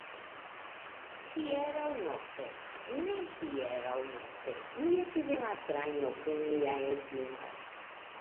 Hieraŭ nokte, ne hieraŭ nokte, mi estis en la trajno kun mia edzino.